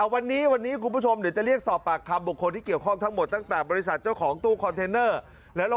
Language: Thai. วันนี้วันนี้คุณผู้ชมเดี๋ยวจะเรียกสอบปากคำบุคคลที่เกี่ยวข้องทั้งหมดตั้งแต่บริษัทเจ้าของตู้คอนเทนเนอร์